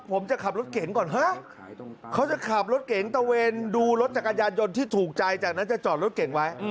ผมจะขับรถเก่งก่อนเฮ้ยเขาจะขับรถเก๋งตะเวนดูรถจักรยานยนต์ที่ถูกใจจากนั้นจะจอดรถเก่งไว้